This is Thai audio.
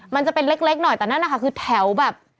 มันจะเป็นเล็กหน่อยแต่นั่นนะคะคือแถวแบบ